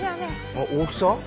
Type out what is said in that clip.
あっ大きさ？